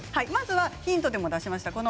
まずはヒントで出しました